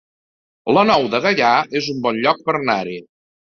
La Nou de Gaià es un bon lloc per anar-hi